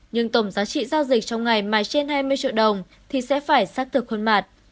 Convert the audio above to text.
nhưng tổng giá trị giao dịch trong ngày mà trên hai mươi triệu đồng thì sẽ phải xác thực khuôn mặt